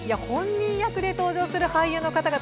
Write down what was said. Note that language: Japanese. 本人役で登場する俳優の方々